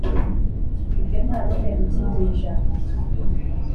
Ibyo nta n'umwe ukibyijana.